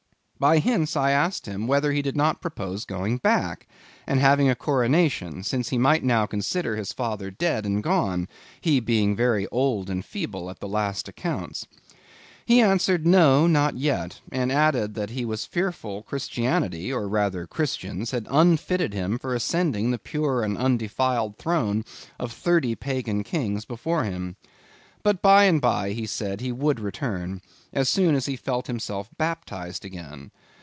By hints, I asked him whether he did not propose going back, and having a coronation; since he might now consider his father dead and gone, he being very old and feeble at the last accounts. He answered no, not yet; and added that he was fearful Christianity, or rather Christians, had unfitted him for ascending the pure and undefiled throne of thirty pagan Kings before him. But by and by, he said, he would return,—as soon as he felt himself baptized again.